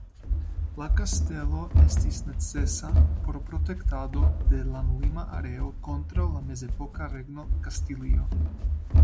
La kastelo estis necesa por protektado de landlima areo kontraŭ la mezepoka Regno Kastilio.